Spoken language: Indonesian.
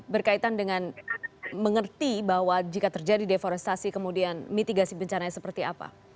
berkaitan dengan mengerti bahwa jika terjadi deforestasi kemudian mitigasi bencana seperti apa